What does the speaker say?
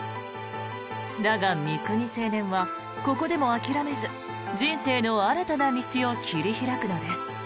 だが、三國青年はここでも諦めず人生の新たな道を切り開くのです。